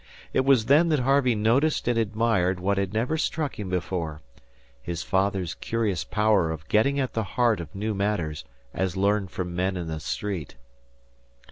It was then that Harvey noticed and admired what had never struck him before his father's curious power of getting at the heart of new matters as learned from men in the street.